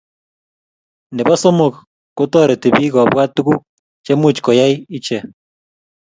nebo somok, kotoreti biik kobwat tuguk chemuch koyait iche